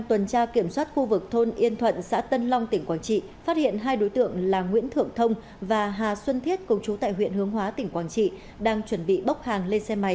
trong khu vực thôn yên thuận xã tân long tỉnh quảng trị phát hiện hai đối tượng là nguyễn thượng thông và hà xuân thiết công chú tại huyện hướng hóa tỉnh quảng trị đang chuẩn bị bốc hàng lên xe máy